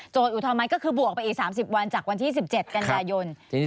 อุทธรณไหมก็คือบวกไปอีก๓๐วันจากวันที่๑๗กันยายน